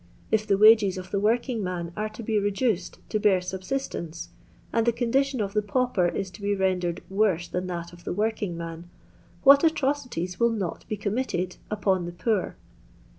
If the wages cf the working man are to be reduced to bare subsistenoe, and the condition of the pauper is to be rendered worse than that of the workmg man, what atro cities will not be committed upon the poor.